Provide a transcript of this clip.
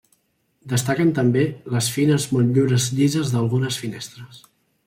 Destaquen també les fines motllures llises d'algunes de les finestres.